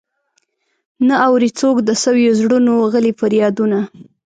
نه اوري څوک د سويو زړونو غلي فريادونه.